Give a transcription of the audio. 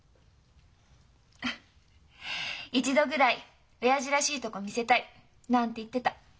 「一度ぐらい親父らしいとこ見せたい」なんて言ってた。